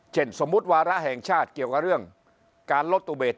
สมมุติวาระแห่งชาติเกี่ยวกับเรื่องการลดตุเบส